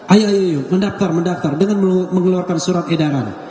ayo mendaftar mendaftar dengan mengeluarkan surat edaran